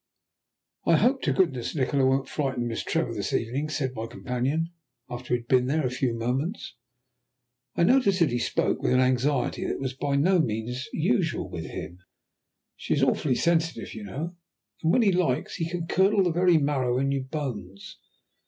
"I hope to goodness Nikola won't frighten Miss Trevor this evening," said my companion, after we had been there a few moments. (I noticed that he spoke with an anxiety that was by no means usual with him.) "She is awfully sensitive, you know, and when he likes he can curdle the very marrow in your bones.